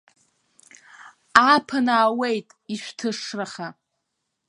Ааԥын аауеит ишәҭышраха!